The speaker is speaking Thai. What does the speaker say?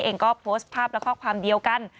เองก็โพสต์ภาพและข้อความเดียวกัน